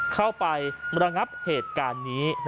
เข้าไประงับเหตุการณ์นี้